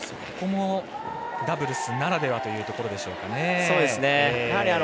そこもダブルスならではというところでしょうかね。